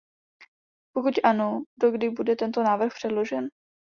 Pokud ano, dokdy bude tento návrh předložen?